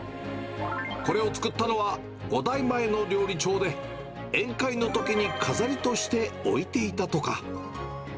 これを作ったのは、５代前の料理長で、宴会のときに飾りとして置いていたとか。